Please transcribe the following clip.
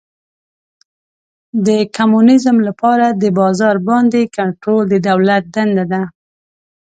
د کمونیزم لپاره د بازار باندې کنټرول د دولت دنده ده.